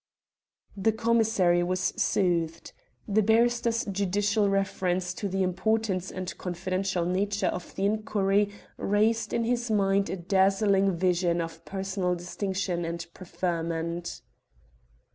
The commissary was soothed. The barrister's judicial reference to the importance and confidential nature of the inquiry raised in his mind a dazzling vision of personal distinction and preferment.